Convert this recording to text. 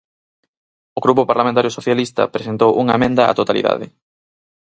O Grupo Parlamentario Socialista presentou unha emenda á totalidade.